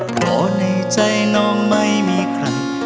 วันนี้ใจน้องไม่มีใคร